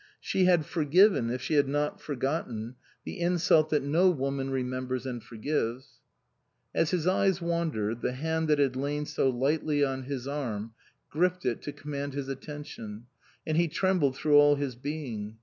She had forgiven, if she had not forgotten, the insult that no woman remembers and forgives. As his eyes wandered, the hand that had lain so lightly on his arm, gripped it to command his attention, and he trembled through all his being.